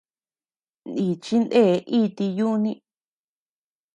Nichi ndee iti yuni.